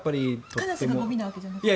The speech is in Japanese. カラスがゴミなわけじゃなくて。